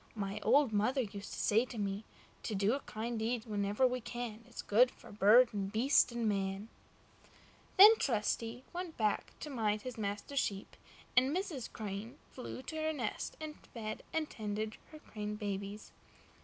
My old mother used to say to me: "To do a kind deed wherever we can, Is good for bird and beast and man." Then Trusty went back to mind his master's sheep, and Mrs. Crane flew to her nest and fed and tended her crane babies.